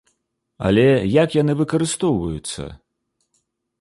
Але як яны выкарыстоўваюцца?